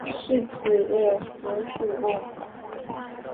四指蝠属。